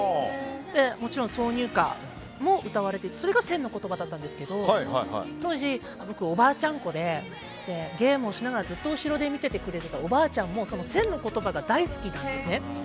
もちろん挿入歌も歌われててそれが「１０００の言葉」だったんですけど当時、僕おばあちゃんっ子でゲームをしている時にずっと後ろで見ててくれてたおばあちゃんもその「１０００の言葉」が大好きなんですね。